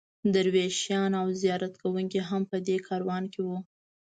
درویشان او زیارت کوونکي هم په دې کاروان کې وو.